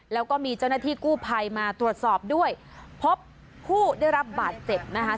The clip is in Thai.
แล้วก็มีเจ้าหน้าที่กู้ภัยมาตรวจสอบด้วยพบผู้ได้รับบาดเจ็บนะคะ